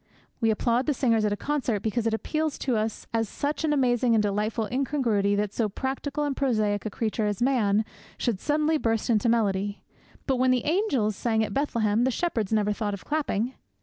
We applaud the singers at a concert because it appeals to us as such an amazing and delightful incongruity that so practical and prosaic a creature as Man should suddenly burst into melody; but when the angels sang at Bethlehem the shepherds never thought of clapping.